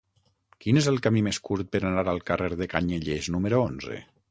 Quin és el camí més curt per anar al carrer de Canyelles número onze?